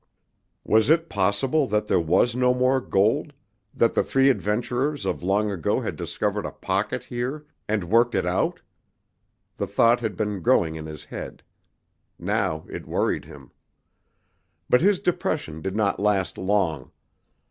Was it possible that there was no more gold, that the three adventurers of long ago had discovered a "pocket" here, and worked it out? The thought had been growing in his head. Now it worried him. But his depression did not last long.